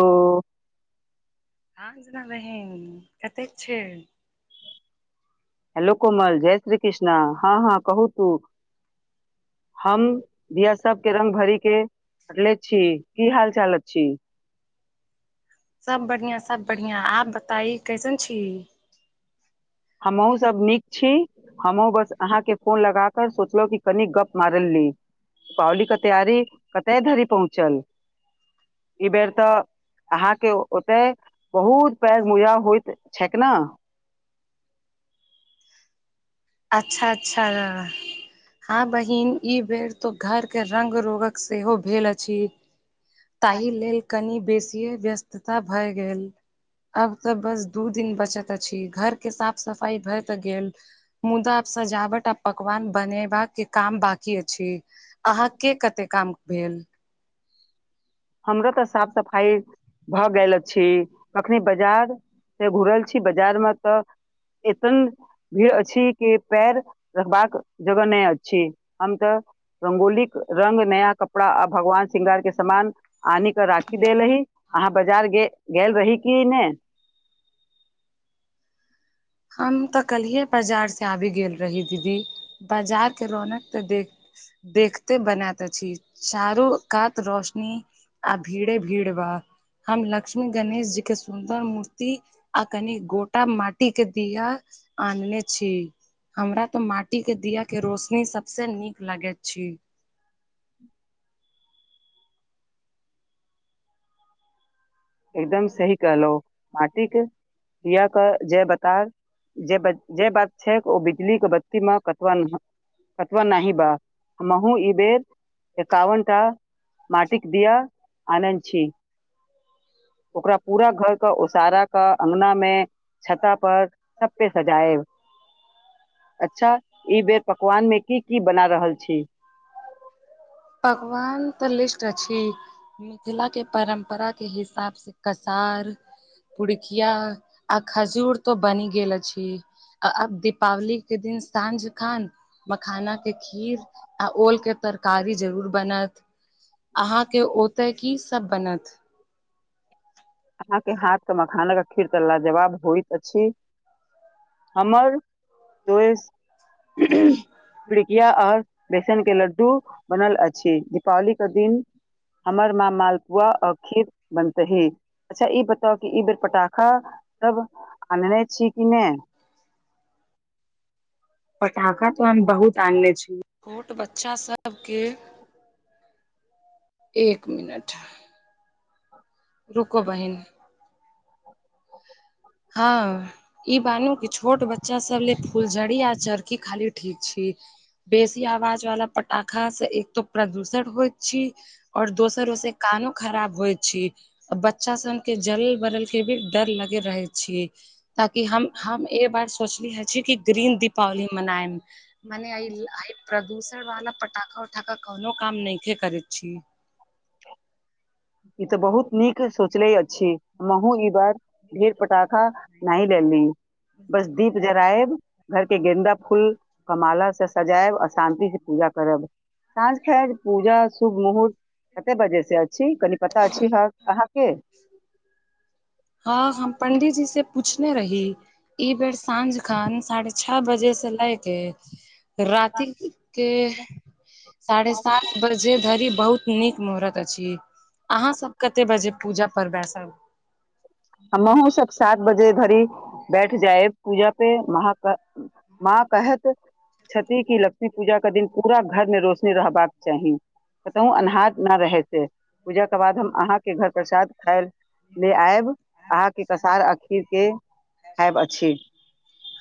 Hello नमस्कार बहिन कतेय छैय? हेलो कोमल जय श्री कृष्णा हँ हँ कहू तू। हम दिया सबके रंग भरि के रखले छी की हाल चाल अछि? सब बढ़िआं सब बढ़िआं आप बताइ कैसन छी? हमहुँ सब नीक छी हमहुँ बस अहाँके फोन लगाक सोचलहुँ कि कनी गप मारली दीपावली क तैयारी कते धरि पहुँचल? ई बेर तऽ अहाँके ओते बहुत पैघ मजा होइत छैक ना? अच्छा अच्छा हँ बहिन ई बेर तो घर के रंग रोहक सेहो भेल अछि। ताहि लेल कनि बेसीए व्यस्तता भए गेल। आब तऽ बस दू दिन बचत अछि घर के साफ सफाई भए त गेल। मुदा आब सजावट आ पकवान बनैबा के काम बाकी अछि। अहाँ के कते काम भेल? हमरो तऽ साफ सफाइ भऽ गेल अछि। अखनी बाजार से घूरल छी बाजार मे तऽ एते न भीड़ अछि के पैर रखबाक जगह नइ अछि हम तऽ रंगोलिक रंग नया कपड़ा आ भगवान श्रृंगार के समान आनि कऽ राखी देलही अहाँ बाजार गेल रही की नै? हम तऽ कल्हि बाजार से आबि गेल रही दीदी बाजार के रौनक तऽ देख देखते बनात अछि चारो कात रौशनी आ भीड़े भीड़ बा। हम लक्ष्मी गणेश जी के सुन्दर मूर्ति आ कनि गोटा माटी के बिया आनने छी। हमरा ते माटी के दिया के रोशनी सबसे नीक लगेत छी। एकदम सही कहलौं माटिक दिया क जय बकार जे जे बात छैक ओ बिजली के बत्तीमे कतबा ना अथवा नाहि बा हमहू ई बेर एकावनटा माटिक दिया आनै छी। ओकरा पूरा घर क ओसारा क अंगना मे छता पर सब पे सजाएब। अच्छा ई बेर पकवानमे की की बना रहल छी? पकवान तऽ लिस्ट अछि मिथिला के परम्परा के हिसाब से कसार पुड़ुकिया आ खजूर त बनि गेल अछि। अब दीपावली के दिन साँझ खान मखाना के खीर आ ओल के तरकारी जरूर बनत। अहाँके ओतय की सभ बनत? के हाथ के मखानक खीर तऽ लाजवाब होइत अछि हमर तो पिड़किया आओर बेसन के लड्डू बनल अछि। दीपावली के दिन हमर माँ मालपुआ आ खीर बनतहि। अच्छा ई बताउ कि ई बेर पटाखा सब आनने छी कि नइ? पटाखा तो हम बहुत आनने छी छोट बच्चा सब के एक मिनट। रुकू बहिन। [inaudible] हँ ई बहिन के छोट बच्चा चा सब ले फूलझड़ी आ चरखी खाली ठीक छी। बेसी आवाज वाला पटाखा से एक तो प्रदूषण होइत छी। और दोसर ओइ से कानो खराब होइ छी। बच्चा सभ के जले बरल के भी डर लगे रहे। छि ताकि हम हम ए बार सोचली हे छी कि ग्रीन दीपावली मनायम मने आइ आइ प्रदूषण वाला पटाखा उठाखा कोनो काम नइहे करै छी। ई तऽ बहुत नीक सोचले अछि। हमहुं ई बार ढेर पटाखा नाइ ले ली बस दीप जरायब घर के गेन्दा फूल क माला से सजायब आ शान्ति से पूजा करब साँझ खन पूजा शुभ मुहूर्त कत्ते बजेसँ अ कनि पता छी। अहाँके हँ हम पंडीजी से पूछने रही ई बेर साँंझ खन साढ़े छह बजे से लय के राति के साढ़े सात बजे धरि बहुत नीक मुहूर्त अछि अहाँ सभ कते बजे पूजा परबा सभ हमहुं सभ सात बजे धरि बैठ जाय पूजा पे मह माँ कहत क्षति की लक् पूजा के दिन पूरा घर मे रोशनी रहबाक चाही। कतहु अन्हार न रहै से पूजा के बाद हम अहाँके घर प्रसाद खायल ले आयब अहाँके कसार आ खीरके खायब अछि।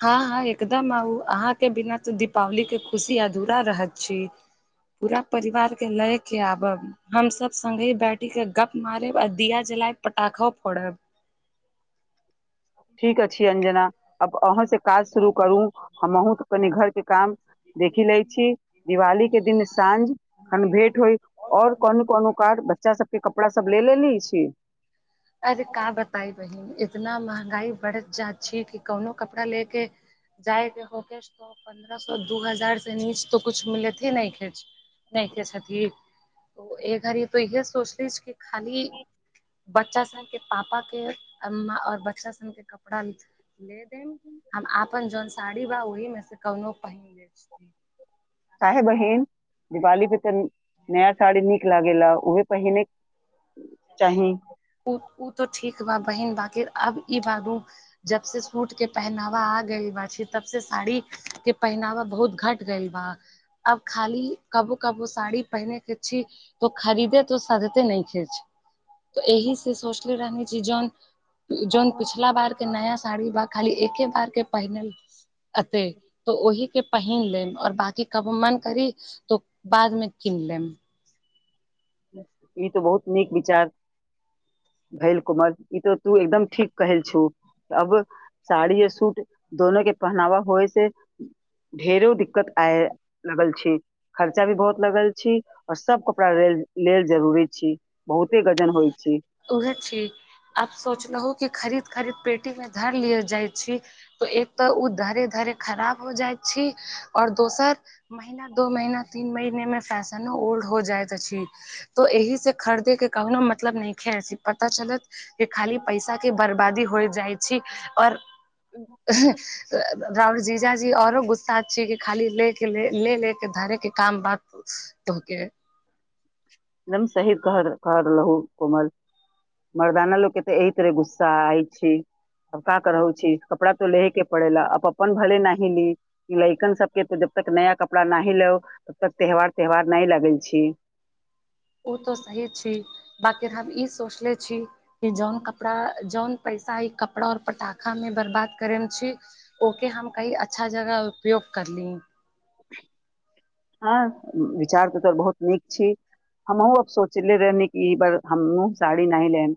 हँ हँ एकदम आउ अहाँ के बिना तऽ दीपावली के खुशी अधूरा रहत छी। पूरा परिवार के लए के आबब हम सभ संग्गे बैठी के गप मारेब आ दिया जलाय पटाखो फोड़ब ठीक अछी अंजना अब अहं से काज शुरू करू हम अहूँ त कनि घर के काम देखि लै छी दिवाली के दिन साँझ खन भेंट होय। और कोनो कोनो कार बच्चा सभके कपड़ा सभ ले लेले छी। अरे क बताई बहिन इतना महँंगाई बढ़ जा छी। कि कोनो कपड़ा ले के जाइके हो को पन्द्रह सो दू हजार से नीच तो कुछु मिलैत हे नहि खेच नहि खेथ ओ एक बेर ई सोचलहुँ जे खाली बच्चा सभ के पापा के और बच्चा सभ के कपड़ा ले दे कऽ हम अपन जे साड़ी अछि, ओहिमे सँ कोनो एकटा पहिरि लेब। कहे बहिन दिवाली पे तऽ नया साड़ी नीक लागेला उे पहिने चाही ओ तऽ ठीक बा बहिन बाकि आब ई बाबू जब से सूट के पहनावा आ गइल बानि तब से साड़ी के पहनावा बहुत घट गेल बा अब खाली कबो कबो साड़ी पहिने के छी। त खरीदे त सादते न खेच तऽ एहि से सोचले रह छी। जौन जौन पिछला बार नया साड़ी ब खाली एके बार के पहिनल अते तऽ ओहि के पहिन लेब आओर बाकी कब मन करी तो बादमे किन लेम ई तऽ बहुत नीक विचार भेल कोमल ई तऽ तू एकदम ठीक कहल छु अब साड़ी आ सूट दोनो के पहनावा होय से ढेरो दिक्कत आय लगल छै। खर्चा भी बहुत लगल छी। और सभ कपड़ा लेल लेल जरूरी छी। बहुते गजन होइ छी उह छी। आब सोचलहु कि खरीद खरीद पेटी मे धर लि जाइ छी। तऽ एकटा तऽ धीरे धीरे खराब भऽ जाइत अछि। आ दोसर, महीना दू महीना तीन महीनामे फैशन सेहो पुरान भऽ जाइत अछि। तो एहि से खरीदे के कहूनो मतलब नइखे ऐसी पता चलत के खाली पैसा के बर्बादी होइ जाइ छै आओर राऊर जीजाजी औरो गुस्सा छीय कि खाली ले के ले ले के धरे के काम बात तहके एकदम सही कह कहरहलू कोमल मरदाना लोक केऽ [inaudible] अपन भल नहि ली लैकन सबके त जब तक नया कपड़ा नहि लो तब तक त्यौहार त्यौहार नहि लगै छी ओ तऽ सही छी बकि हम ई सोचले छी कि जौन कपड़ा जौन पैसा ई कपड़ा और पटाखा मे बर्बाद करे मे छी ओके हम नही अच्छा अच्छा जगह उपयोग करली हँ विचार तऽ तोहर बहुत नीक छी हमहुँ अब सोचे ले रहनि कि ई बार हमहुँ साड़ी नही लेब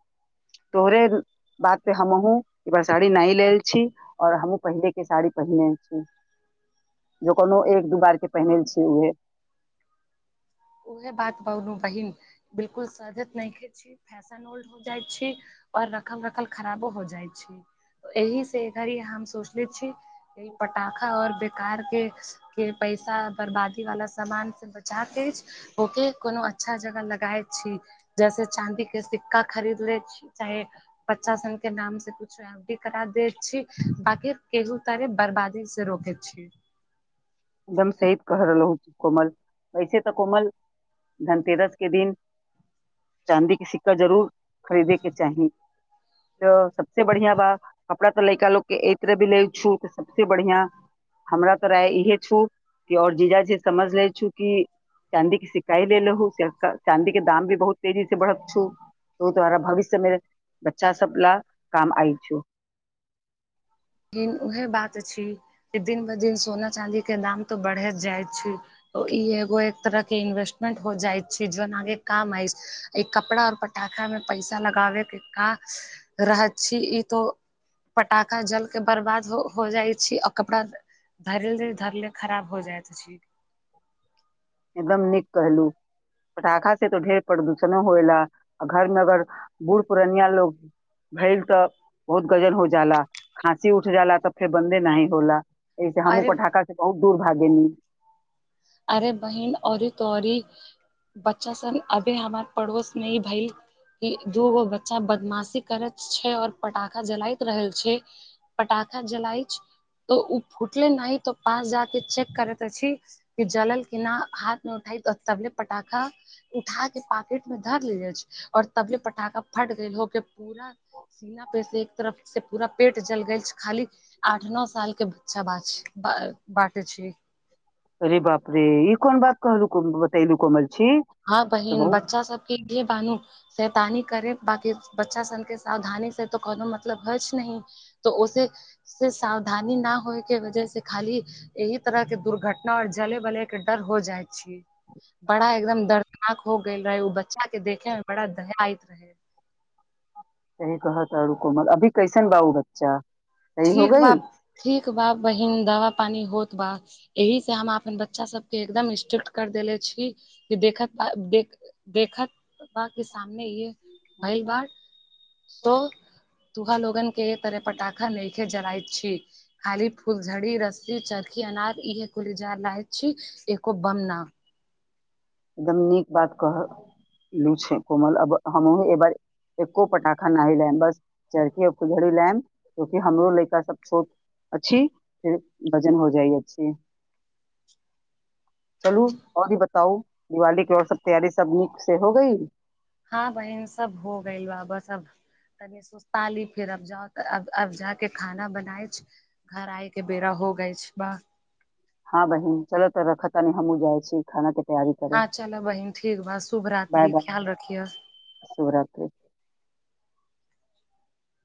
तोहरे बात हमहूँ ई बार सााड़ी नहि लेय छी और हमहुँ पहिनेे के साड़ी पहिरने छी जो कोनो एक दू बार के पहिरल छी हुए उएहे बात कहलू बहिन बिलकुल सझत नइखे छिये फैशन ओल्ड हो जाइ छै और रखल रखल खराबो हो जाइ छै एहि से एय घड़ी हम सोचले छी एय पटाखा और बेकर के के पैसा बर्बादी वाला सामान से बचा के ओके कोनो अच्छा जगह लगाय छी जैसे चांदी के सिक्का खरीद ले छी चाहे बच्चा सन के नाम से कुछ शांति करा दैत छी बाकि केहू तरे बर्बादी से रोकै छी एकदम सही कह रहलहु कोमल ऐसे तऽ कोमल धनतेरस के दिन चाँदी के सिक्का जरूर खरीदेके चाही त सबसे बढ़िया बात कपड़ा तऽ लइका लोक के एहि तरह भी ले छू त सबसे बढ़िया हमरा तोरा इहे और जीजाजी समझ ले छु कि चाँदी के सिक्का ही ले लहु जाक चाँदी के दाम भी बहुत तेजी से बढ़त छु त उ द्वारा भविष्य मे बच्चा सब ला काम आइ छु लेकिन उहे बात अछि जे दिन ब दिन सोना चांदी के दाम तो बढ़ैत जाय छै ओ ई एगो एक तरह के इन्वेस्टमेंट हो जाइ छै जोन आहाँ के काम आइत ई कपड़ा और पटाखा मे पैसा लगाबे के का रहत छी ई तो पटाखा जल के बर्बाद हो हो जाइ छै और कपड़ा त धरले धरले खराब हो जाइत छी एकदम नीक कहलु पटाखा से तो ढेर प्रदूषणो होयला आ घर मे अगर बूढ़ पुरनिया लोक भेल तऽ बहुत गंजन हो जाला खांसी उठ जाला तब फेर बन्दे नहि होला एहिसे हमूँ अरे पटाखा से बहुत दूर भागेनि अरे बहिन औरे तोरी बच्चा सन अभी हमर पड़ोसमे ई भइल दुगो बच्चा बदमाशी करैत छै और पटाखा जलाइत रहल छै पटाखा जलाइ छै तऽ उ फुटले नहि तऽ पास जाके चेक करैत अछि कि जलल कि ना हाथ मे उठाई तऽ तबले पटाखा उठा के पाकेट मे धरि ले जाई छै और तबले फटाखा फट गेल ओह के पूरा सीना पे से एक तरफ से पूरा पेट जल गैल छै खाली आठ नौ साल के बच्चा बा छै बाँटे छै अरे बाप रे ई कोन बात कहलू बतैलू कोमल छी हँ तऽ बहुत बहिन बच्चा सबके बानू सैतानी करे बाकि बच्चा सन के सावधानी से तऽ कोनो मतलब होइछ नहि तऽ ओसे से सावधानी ना होयके वजह से खाली एहि तरह के दुर्घटना और जले बले के डर हो जाइ छी। बड़ा एकदम दर्दनाक हो गेल रहे ओ बच्चा के देखे में बड़ा दहायत रहे। सही कह तारू कोमल अभी कैसन बा उ बच्चा? सही हो ठीक गइल बा ठीक बा बहिन दवा पानी होत ब एहि कारणेँ हम अपन बच्चासभकेँ एकदम स्ट्रिक्ट कऽ देने छी जे देखब तऽ देख। देखत पप्पा के सामने ई भैल बा तो तुहो लोगन के एक तरह पटाखा नहिखे जरायत छी। खाली फूलझड़ी रस्सी चरखी अनार इहे कुल जलायल छी। एको बम ना एकदम नीक बात कहलू छै। कोमल अब हमहु एह बार एक्को पटाखा नहि आनब, बस चरखी आ फुलझड़ी आनब, किएक तँ हमर बच्चासभ सेहो छोट अछि। अछि फेर बाजान हो जाइ अछि चलू औरी बताउ दिवाली के और सभ तैयारी सभ नीक से हो ग‌इल? हँ बहिन सभ हो गैल बा बस अब तनि सुस्ता ली फेर अब जाउ त अब जाके खाना बनाइ छै। घर आयके बेड़ा हो गइ छै। बा हँ बहिन चलऽ तऽ रखऽ तानी हमहूँ जाइ छी खाना के तैयारी करऽ हँ चल बहिन ठीक बा शुभ रात्रि बाय ई बाय ख्याल रखिह। शुभरात्रि